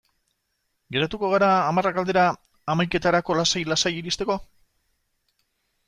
Geratuko gara hamarrak aldera, hamaiketarako lasai-lasai iristeko?